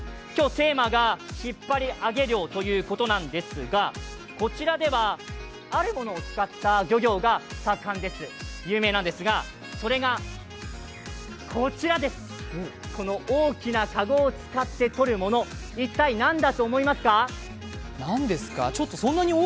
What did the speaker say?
今日、テーマが引っ張り上げ漁ということなんですが、こちらではあるものを使った漁業が有名なんですがそれがこの大きなかごを使ってとるもの、一体、何だと思いますか？